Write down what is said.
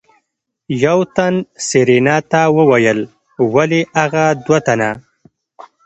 يو تن سېرېنا ته وويل ولې اغه دوه تنه.